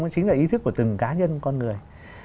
nó chính là ý thức của từng cá nhân con người